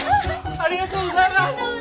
ありがとうございます！